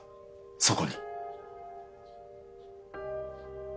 そこに。